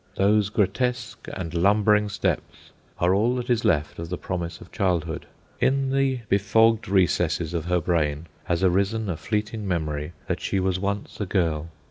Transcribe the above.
Those grotesque and lumbering steps are all that is left of the promise of childhood. In the befogged recesses of her brain has arisen a fleeting memory that she was once a girl.